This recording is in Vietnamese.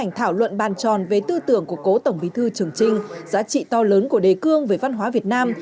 của bộ trưởng của cố tổng bí thư trường trinh giá trị to lớn của đề cương về văn hóa việt nam